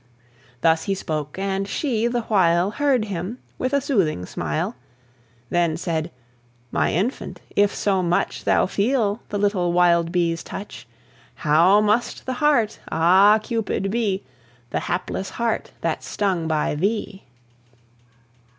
Thus he spoke, and she the while Heard him with a soothing smile; Then said, "My infant, if so much Thou feel the little wild bee's touch, How must the heart, ah, Cupid! be, The hapless heart that's stung by thee!"